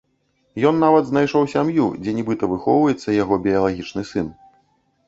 Ён нават знайшоў сям'ю, дзе нібыта выхоўваецца яго біялагічны сын.